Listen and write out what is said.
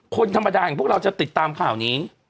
คนธรรมดาของพวกเราจะติดตามข่าวนี้